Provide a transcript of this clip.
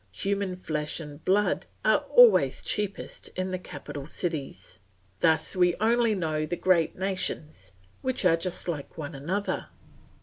Human flesh and blood are always cheapest in the capital cities. Thus we only know the great nations, which are just like one another.